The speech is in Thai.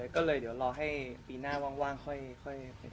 ขอบคุณครับ